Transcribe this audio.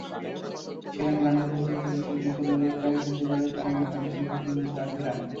সেখানে গান্ধী পরিবারের সদস্যদের বিরুদ্ধে লড়ে প্রায় প্রতিবারই জামানত হারিয়েছেন প্রতিদ্বন্দ্বী প্রার্থীরা।